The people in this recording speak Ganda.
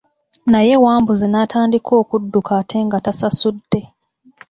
Naye Wambuzi n'atandika okudduka ate nga tasasudde.